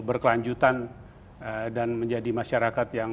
berkelanjutan dan menjadi masyarakat yang